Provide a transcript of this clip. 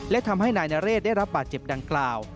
และทำให้นายนเรศได้รับบาดเจ็บดังกล่าว